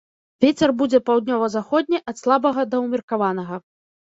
Вецер будзе паўднёва-заходні, ад слабага да ўмеркаванага.